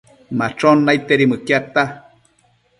Machon naidtedi mëquiadta